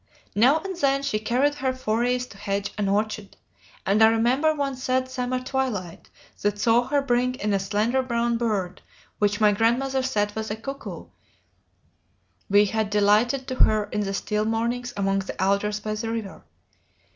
Now and then she carried her forays to hedge and orchard, and I remember one sad summer twilight that saw her bring in a slender brown bird which my grandmother said was the cuckoo we had delighted to hear in the still mornings among the alders by the river.